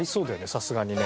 さすがにね。